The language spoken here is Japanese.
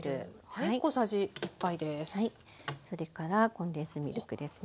それからコンデンスミルクですね。